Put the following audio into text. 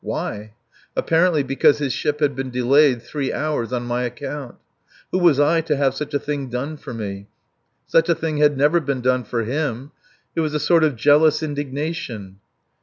Why? Apparently because his ship had been delayed three hours on my account. Who was I to have such a thing done for me? Such a thing had never been done for him. It was a sort of jealous indignation.